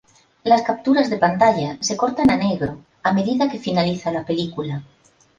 Las capturas de pantalla se cortan a negro a medida que finaliza la película.